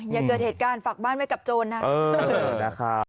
อย่าเกิดเหตุการณ์ฝากบ้านไว้กับโจรนะ